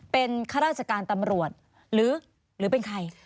เป็นข้าราชการตำรวจหรือเป็นใคร